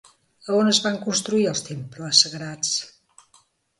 A on es van construir els temples sagrats?